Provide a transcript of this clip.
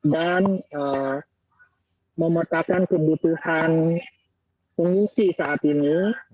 dan memetakkan kebutuhan pengungsi saat ini